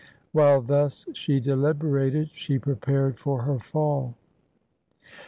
While thus she deliberated, she prepared for her fall.